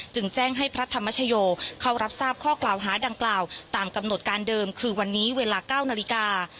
จึงแจ้งให้พระธรรมชโยเข้ารับทราบข้อกล่าวหาดังกล่าวตามกำหนดการเดิมคือวันนี้เวลา๙นาฬิกา